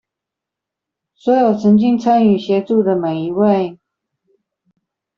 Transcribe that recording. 所有曾經參與、協助的每一位